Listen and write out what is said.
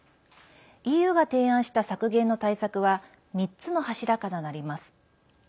ＥＵが提案した削減の対策は３つの柱からなります。